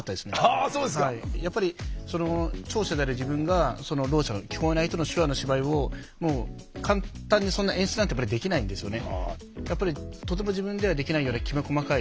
あそうですか。やっぱり聴者である自分がろう者の聞こえない人の手話の芝居を簡単にそんな演出なんてできないんですよね。